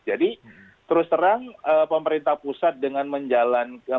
jadi terus terang pemerintah pusat dengan menjalankan